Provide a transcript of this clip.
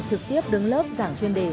trực tiếp đứng lớp giảng chuyên đề